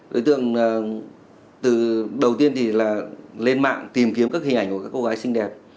đối tượng từ đầu tiên thì là lên mạng tìm kiếm các hình ảnh của các cô gái xinh đẹp